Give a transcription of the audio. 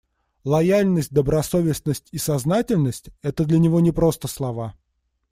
Лояльность, добросовестность и сознательность — это для него не просто слова.